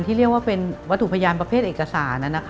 เรียกว่าเป็นวัตถุพยานประเภทเอกสาร